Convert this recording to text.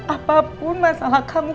apapun masalah kamu